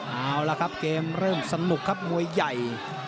เอาละครับเกมเริ่มสนุกครับมวยใหญ่